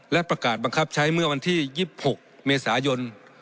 และประกาศบังคับใช้เมื่อวันที่๒๖เมษายน